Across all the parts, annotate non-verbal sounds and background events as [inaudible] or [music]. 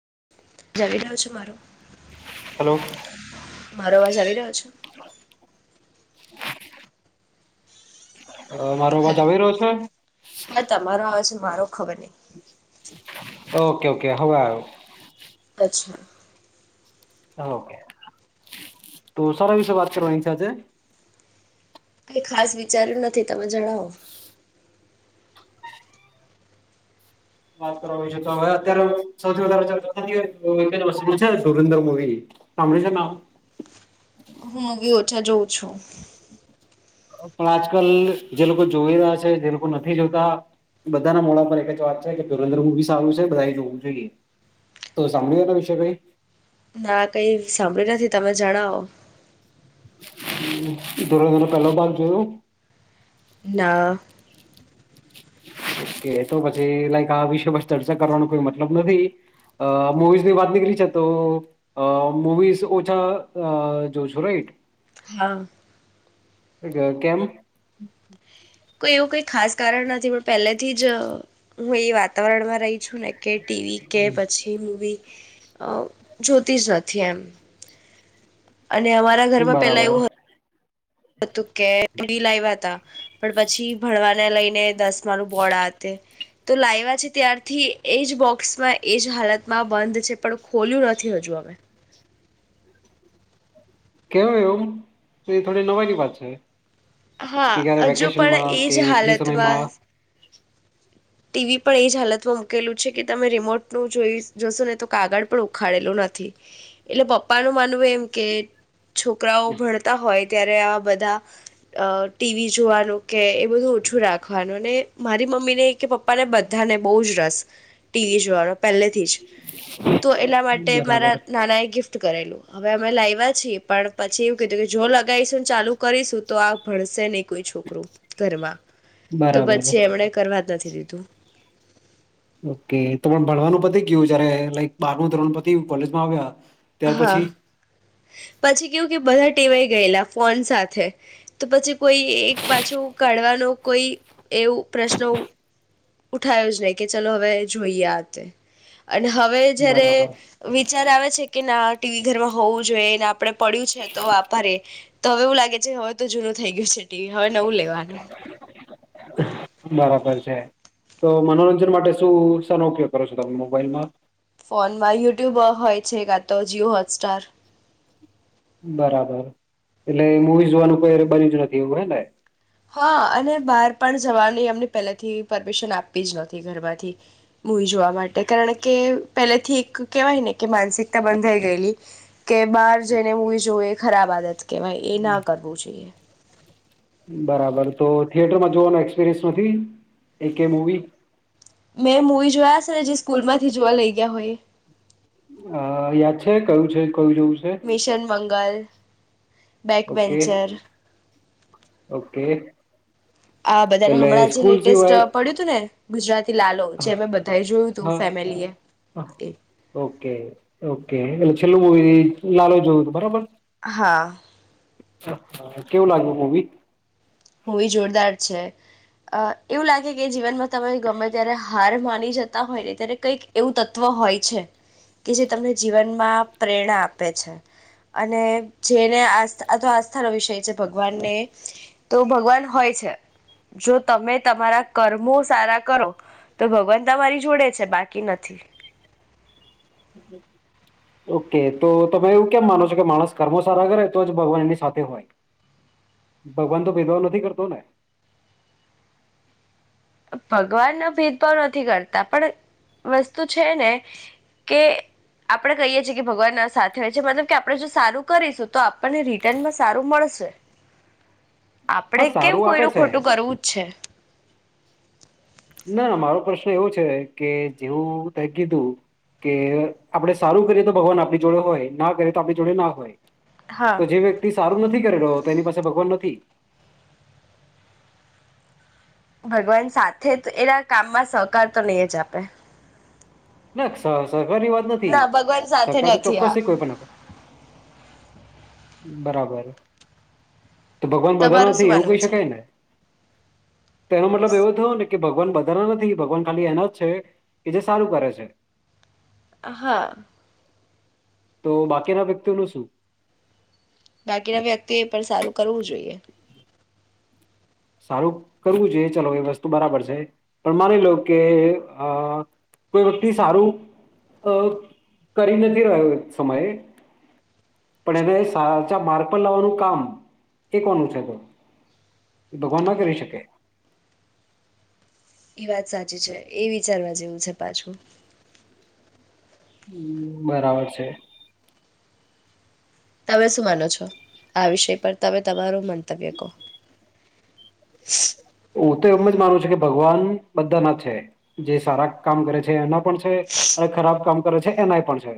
[unintelligible] રહ્યો છો. હલો. મારો અવાજ આવી રહ્યો છે? અ મારો અવાજ હલો આવી રહ્યો છે? હા તમારો આવે છે મારો ખબર નહી. ઓકે ઓકે હ અચ્છા. ઓકે તો સરારા વિશે વાત કરવાની છે આજે. કઈ ખાસ વિચાર્યું નથી. તમે જણાવો? વાત કરવા છે, તો હવે અત્યારે સૌથી વધારે સુરદર મવી સાંભળ્યું છે. હું હવે ઓછા જોઉં છું. પણ આજકાલ જે લોકો જોઈ રહ્યા છે જે લોકો નથી જોતા બધાના મોડા પર એક જ વાત છે કે ધરેન્દ્ર મુું બીસ આવ્યું છે બધા જોવું જોઈએ તો સાંભળ્યું તો વિશે કઈ. ના કઈ સાંભળ્યું નથી તમે જણાવો. થોડો ઘણો પેલો ભાગ જોયો? ના. ઓકે તો પછી લાઈક આ વિષય પર ચર્ચા કરવાનો કોઈ મતલબ નથી અ મુવીઝની વાત નીકળી છે તો મુવીઝ ઓછા જોઓ છો રાઈટ? હા. એટલે કેમ? [inaudible] કોઇ એવું કઈ ખાસ કારણ નથી પણ પહેલેથી જ હું એ વાતાવરણમાં. રહી છું ને કે ટીવી કે પછી મૂવી. અ જોતી જ નથી એમ. અને અમારા ઘરમાં પેલા બરાબર એવું હતું. અતું કે ટીવી લાઈવા તા પણ પછી ભણવાને લઈને કે દસમાનું બોર્ડ આતે તો લાઇવા છે ત્યારથી એજ બોક્સમાં એજ હાલતમાં બંધ છે પણ ખોલ્યું નથી હજુ અમે કેમ એવુ તે થોડી નવાઈ ની વાત છે. કે હા ક્યારે અજુ પણ વેકેશનમાં કે એજ ફ્રી સમયમાં હાલતમાં ટીવી પણ એજ હાલતમાં મુકેલું છે કે તમે રિમોટનું જો જોશો ને તો કાગળ પણ ઉખાડેલું નથી એટલે પપ્પાનું માનવું એમ કે છોકરાઓ ભણતા હોય ત્યારે આવા બધા અહ ટી વી જોવાનું કે એ બધું ઓછું રાખવાનું અને મારી મમ્મી ને કે પપ્પા ને બધાને બહુ જ રસ, ટી વી જોવાનો પહેલેથી જ, તો એના માટે મારા બરાબર નાના એ ગિફ્ટ ટ કરેલું હવે અમે લાવ્યા છીએ પણ પછી એવું કીધું કે જો લગાઈશુંને ચાલુ કરીશું તો આ ભણશે નહી. કોઈ છોકરું ઘરમાં, તો બરાબર પછી એમને કરવા નથી દીધું. ઓકે. તો પણ ભણવાનું પતિ ગયું જયારે લાઈક બાર મું ધોરણ પત્યું કોલેજમાં આવ્યા ત્યાર હા પછી પછી કેવું કે બધા ટેવાઈ ગયેલા ફોન સાથે, તો પછી કોઈ એક પાછું કાઢવાનો કોઈ એવું પ્રશ્ન ઉઠાયો જ નહી કે ચલો હવે જોઈએ આ તે અને હવે જ્યારે બરાબર વિચાર આવે છે કે ના ટી વી ઘરમાં હોઉ જ જોઈએને, આપડે પડ્યું છે તો વાપરીએ, તો હવે એવું લાગે છે હવે તો જૂનું થઈ ગયું છે ટી વી હવે નવું લેવાનું. બરાબર છે. તો મનોરંજન માટે શું શેનો ઉપયોગ કરો છો તમે મોબાઈલમાં? ફોનમાં યુટ્યુબ હોય છે, કા તો જીઓ હોટસ્ટાર. બરાબર. એટલે મૂવી જોવાનું કોઈ [unintelligible] જ નથી એવું બને ને? હા અને બહાર પણ જવાની અમને પહેલેથી પરમિશન આપી જ નથી ઘરમાંથી મૂવી જોવા માટે, કારણ કે પહેલેથી એક કેહેવાય ને કે માનસિકતા બંધાઈ ગયેલી કે બહાર જઈને મૂવી જોવે ખરાબ આદત કેવાય એ ના કરવું જોઈએ. બરાબર. તો થિયેટરમાં જોવાનો એક્સપિરિયન્સ નથી, એકેય મૂવી? મેં મૂવી જોયા છે ને જે સ્કૂલ માંથી જોવા લઈ ગયા હોય. અહ યાદ છે કયું છે? કયું જોવું છે mission Mangal back okay venture okay. આ બધા એટલે હમણાં જે લેટેસ્ટ પડ્યું તું ને ગુજરાત હા, હા, હા, એ ઓકે-ઓકે. છેલ્લું મૂવી લાલો જોયું તું બરાબર? હા. હા, કેવું લાગ્યું મુવી? મુવી જોરદાર છે. અહ એવું લાગે કે જીવનમાં તમારી ગમે ત્યારે હાર માન ની જતા હોયને ત્યારે કઈક એવું તત્વ હોય છે કે જે તમને જીવનમાં પ્રેરણા આપે છે, અને જેને આસ્થા આ તો આસ્થાનો વિષય છે ભગવાનને તો ભગવાન હોય છે, જો તમે તમારા કર્મો સારા કરો તો ભગવાન તમારી જોડે છે, બાકી નથી. ઓકે. તો તમે એવું કેમ માનો છો કે માણસ કર્મો સારા કરે તો જ ભગવાન એની સાથે હોય. ભગવાન તો ભેદભાવ નથી કરતો ને. ભગવાનના ભેદભાવ નથી કરતા પણ વસ્તુ છે ને કે આપણે કહીએ છી કે ભગવાનના સાથે હોય છે મતલબ કે આપણે જો સારું કરીશું તો આપણને રિટર્નમાં સારું મળશે. હા આપણે કેમ સારું આપે કોઈનું છે ખોટું કરવું જ છે. ના મારો પ્રશ્ન એવો છે કે જેવું તે કીધું કે આપડે સારું કરીએ તો ભગવાન આપણી જોડે હોય, ના કરીએ તો આપણી જોડે ના હોય. હા તો જે વ્યક્તિ સારું નથી કર રહ્યો તો એની પાસે ભગવાન નથી. ભગવાન સાથે જ એના કામમાં સહકાર તો નહીં જ આપે. ના સહ સહકારની વાત નથી, ના ભગવાન સાથે સહકાર તો નથી આ ચોક્કસથી કોઈ પણ આપે. બરાબર. તો ભગવાન બધા તમારું શું નથી એવું માનવું કહી છે શકાય ને? તેનો મતલબ એવો થયો ને કે ભગવાન બધાના નથી, ભગવાન ખાલી એના જ છે કે જે સારું કરે છે. હે. હા. તો બાકીના વ્યક્તિનું શું? બાકીના વ્યક્તિ એ પણ સારું કરવું જોઈએ. સારું કરવું જોઈએ ચલો એ વસ્તુ બરાબર છે, પણ માની લો કે અહ કોઈ વ્યક્તિ સારું અહ કરી નથી રહ્યો એક સમયે પણ એને સાચા માર્ગ પર લાવવાનું કામ એ કોનું છે? તો ભગવાન ના કરી શકે? ઈ વાત સાચી છે. એ વિચારવા જેવું છે પાછું. હમ્મ, બરાબર છે. તમે શું માનો છો આ વિષય પર? તમે તમારું મંતવ્ય કહો. હું તો એમ જ માનું છું કે ભગવાન બધા ના છે જે સારા કામ કરે છે એના છે અને ખરાબ કામ પ કરે છે એનાય પણ છે.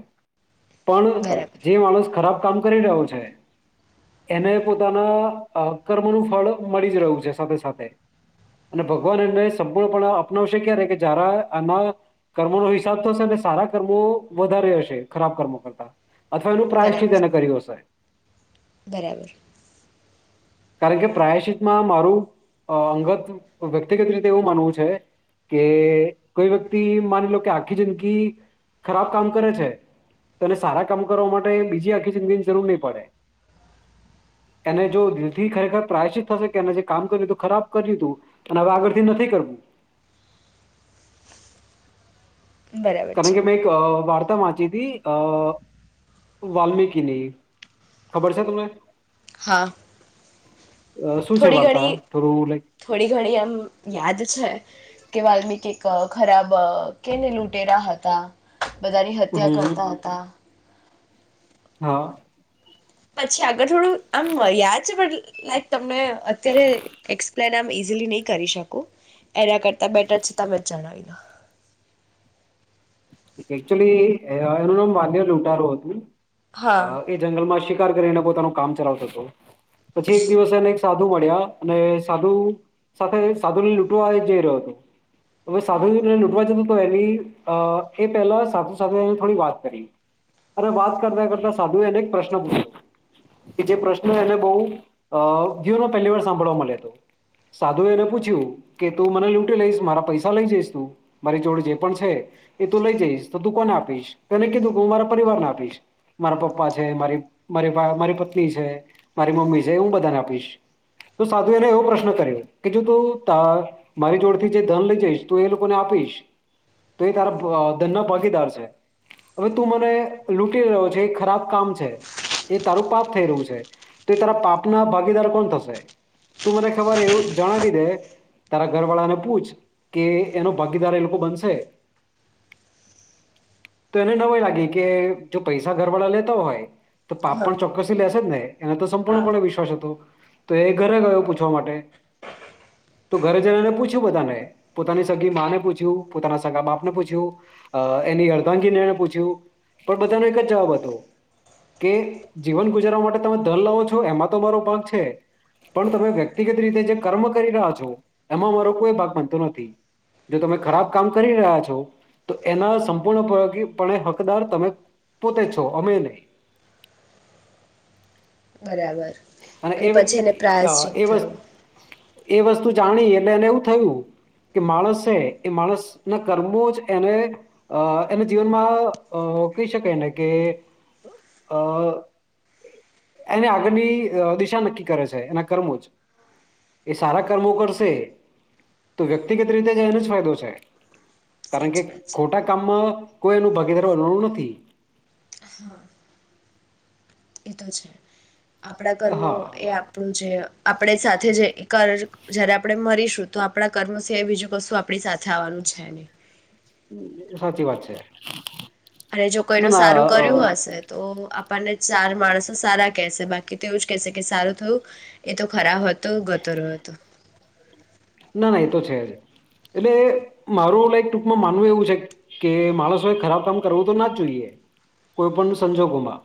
પણ બરાબર જે માણસ ખરાબ કામ કરી રહ્યો છે એને પોતાના કર્મ નું ફળ મળી જ રહ્યું છે સાથે સાથે. અને ભગવાન એને સંપૂર્ણપણે અપનાવશે ક્યારે કે જાર આના કર્મોનો હિસાબ તો હશે અને સારા કર્મો વધારે હશે ખરાબ કર્મો કરતા. અથવા એનું પ્રાશ્ચિત બરાબર એને કર્યું હશે. બરાબર. કારણ કે પ્રાયશિતમાં મારું અ અંગત વ્યક્તિગત રીતે એવું માનવું છે કે કોઈ વ્યક્તિ માની લો કે આખી જિંદગી ખરાબ કામ કરે છે તોને સારા કામ કરવા માટે બીજી આખી જિંદગીની જરૂર નહીં પડે એને જો દિ લ થી ખરેખર પ્રાયશિત થશે કે એ જે કામ કર્યું હતું ખરાબ કર્યું હતું પણ હવે આગળથી નથી કરવું. બરાબર કારણ છે કે મેં એક વાર વાંચી હતી વાલ્મીકીની, ખબર છે તમને? હા અ શું છે થોડી વાર્તા ઘણી થોડું લાઈક થોડી ઘણી એમ યાદ છે કે વાલ્મી ખરાબ કેને લૂંટેરા હતા. બધારી હત્યા હમ કરતા હતા. હા. પછી આગળ થોડું આમ યાદ છે પણ લાઈક મેં અત્યારે પ્લેન આમ ઈઝીલી નહી કરી શકું એના કરતાં બેટર છે તમે જ જણાવી લો. એકચુલી એનું નામ માન્યર લૂંટારો હતું. હા એ જંગલમાં શીખ કરીને પોતાનું કામ ચલાવતો હતો પછી એક દિવસ એને એક સાધુ મળ્યા અને સાધુ સાથે સાધુને લૂટવા જઈ રહ્યો હતો હવે સાધુને લૂટવા જતો તો એની અ એ પહેલા સાધુ સાથે એને થોડી વાત કરી અને વાત કરતા કરતા સાધુ એને એક પ્રશ્ન પૂછ્યો કે જે પ્રશ્ન એને બવ અ ધીનો પહેલી વાર સાંભળવા મળ્યો હતો. સાધુ એ એને પૂછ્યું કે તું મને લૂંટી લઈશ મારા પૈસા લઈ જઈશ તું મારી જોડ જે પણ છે એ લઈ જઈશ તો તું કોને આપીશ તો એને કીધું કે હું મારા પરિવારને આપીશ. મારા પપ્પા છે, મા મારી મારી પત્ની છે, મારી મમ્મી છે હું બધાને આપીશ. તો સાધુ એને એવો પ્રશ્ન કર્યો કે જો તું મારી જોડથી જે ધન લઈ જઈશ તો એ લોકોને આપીશ તો આ અ ધનનો પોફીટ આવશે. હવે તું મને લૂટી રહ્યો છે એ ખરાબ કામ છે એ તારું પાપ થઈ રહ્યું છે. તો એ તારા પાપ ના ભાગીદાર કોણ થશે? તું મને ખબર એવું જણાવી દે તારા ઘરવાળાને પૂછ કે એનો ભાગીદાર એ લોકો બનશે તો એને નવાય લાગે કે જો પૈસા ઘરવાળા લેતા હોય તો પાપ હા પણ ચોક્કસી લશે જ ને. એનો તો હા સંપૂર્ણપણે વિશ્વાસ હતો. તો એ ઘરે ગયો પૂછવા માટે. તો ઘરે જનાને પૂછ્યું બધાને પોતાની સગી માંને પૂછ્યું પોતાના સગા બાપ ને પૂછ્યું, એની અર્ધાંગી પૂછ્યું. પણ બધાનો એક જ જવાબ હતો કે જીવન ગુજારવા માટે તમે ધન લાવો છો એમાં તો મારો ભાગ છે. પણ તમે વ્યક્તિગત રીતે જે કર્મ કરી રહ્યા છો એમાં મારો કોઈ ભાગ બનતો નથી જો તમે ખરાબ કામ કરી રહ્યા છ છે તો એના સંપૂર્ણપને હકદાર તમે પોતે છો અમે નહી. બરાબર. અને પછી એને પ્રાયશચિત એ વસ્તુ થયું. એ વસ્તુ જાણી એટલે એને એવું થયું કે માણસ છે એ માણસ ના કર્મો જ એને અ એને જીવનમાં કહી શકાયને કે અ એને આગળની દિશા નક્કી કરે છે એના કર્મો જ. એ સારા કર્મો કરશે તો વ્યક્તિગત રીતે જ એનો જ ફાયદો છે. કારણ કે સાચી વાત છે ખોટા કામમાં કોઈ એનું ભાગીદારનું નથી. એ તો છે. આપણા કર્મો હા એ આપણું જે આપણે સાથે જે કર જયારે આપણે મરીશું. આપણા કર્મ છે બીજું વસ્તુ આપણી સાથે આવવાનું છે ન. સાચી વાત છે. અને જો ના કોઈનું સારું ના કર્યું હશે તો. ને ચાર માણસો સારા કેહેશે બાકી તો એવું જ કેહેશે કે સારું થયું એ તો ખરા હતો ગતોર હતો. ના ના એ તો છે જ એટલે મારું લક ટૂંકમાં માનવું એવું છે કે માણસોએ ખરાબ કામ કરવું તો ના જ જોઈએ કોઈ પણ સંજોગોમાં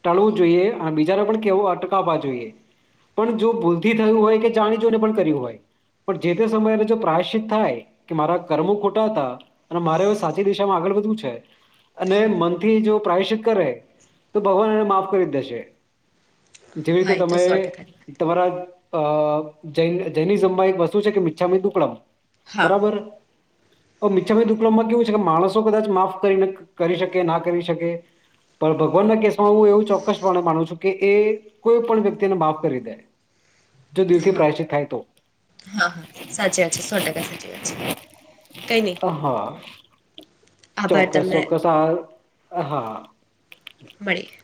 ટાળવું જોઈએ અને બીજાને પણ કેવું અટકાવવા જોઈએ પણ જો ભૂલથી થયું હોય કે જાણીજોને પણ કર્યું હોય. પણ જે તે સમયે એને જો પ્રાયશ્િત થાય કે મારા કર્મો ખોટા હતા અને મારે હ સાચી દિશામાં આગળ વધવું છે અને મનથી જો પ્રાયશ્ચિત કરે તો ભગવાન એને માફ કરી દેશે. જેવી રીતે હા એ તો તમે સો ટકાની વાત તમારા. અ જૈ જૈની જંબ એક વસ્તુ શું છે કે મિચ્છામી દુક્કડમ હા બરાબર. મિછામી દુકક્ડમમાં કેવું છે કે માણસો કદાચ માફ કરી કરી શકે ના કરી શકે પણ ભગવાનના કેસમાં હું એવું ચોક્કસપણે માનું છું કે એ કોઈ પણ વ્યક્તિને માફ કરી દે જો દિલથી પ્રાયશિત થાય તો. સાચી વાત છે સો ટકા સાચી વાત છે કઈ નહી હા આભાર ચોક્કસ તમને ચોક્કસ આ હા મળીએ